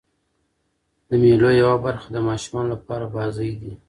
د مېلو یوه برخه د ماشومانو له پاره بازۍ دي.